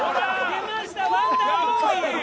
出ましたワンダーボーイ！